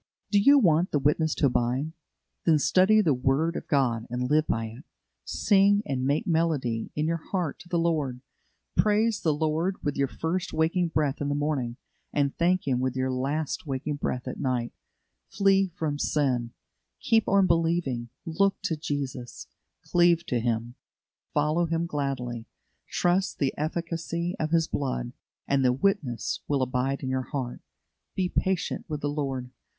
Do you want the witness to abide? Then study the word of God, and live by it; sing and make melody in your heart to the Lord; praise the Lord with your first waking breath in the morning, and thank Him with your last waking breath at night; flee from sin; keep on believing; look to Jesus, cleave to Him, follow Him gladly, trust the efficacy of His blood, and the witness will abide in your heart. Be patient with the Lord.